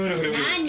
何？